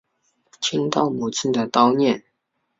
听到母亲的叨念